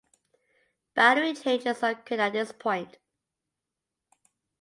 Boundary changes occurred at this point.